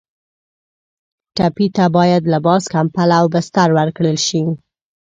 ټپي ته باید لباس، کمپله او بستر ورکړل شي.